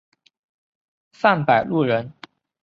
范百禄人。